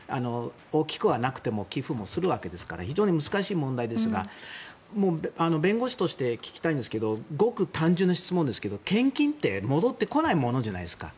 大きくはなくても寄付はするわけですから非常に難しい問題ですが弁護士として聞きたいんですがごく単純な質問ですけど献金って戻ってもないものじゃないですか。